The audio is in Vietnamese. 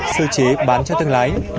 sơ chế bán cho tương lái